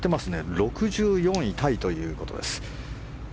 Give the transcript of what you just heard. ６４位タイということです。